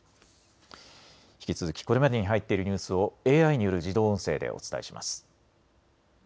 引き続きこれまでに入っているニュースをＡＩによる自動音声でお伝えします。